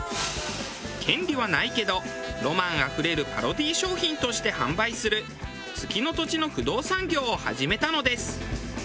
権利はないけどロマンあふれるパロディー商品として販売する月の土地の不動産業を始めたのです。